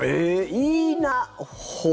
いいな法。